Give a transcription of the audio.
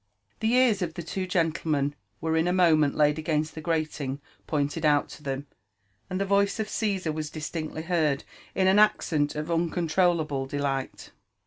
The ears of the two gentlemen were in a moment laid against the grating pointed out to them, and the voice of Caesar was distinctly heard in an accent of uncontrollable delight.